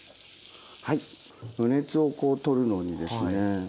余熱をこう取るのにですね